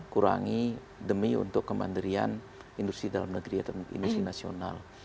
kurangi demi untuk kemandirian industri dalam negeri atau industri nasional